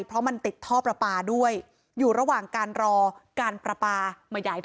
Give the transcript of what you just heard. เพราะมันติดท่อประปาด้วยอยู่ระหว่างการรอการประปามา